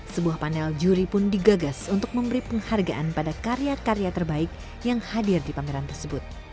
sebuah panel juri pun digagas untuk memberi penghargaan pada karya karya terbaik yang hadir di pameran tersebut